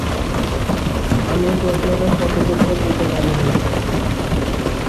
আমি প্রশ্নটার সঠিক উত্তর দিতে পারিনি।